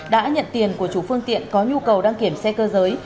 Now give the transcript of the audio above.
đã nhận tiền của chủ phương tiện có nhu cầu đăng kiểm xe cơ giới